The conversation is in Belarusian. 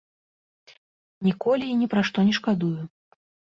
Ніколі і ні пра што не шкадую.